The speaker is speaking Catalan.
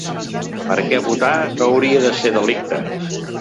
Perquè votar no hauria de ser delicte.